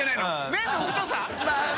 麺の太さ？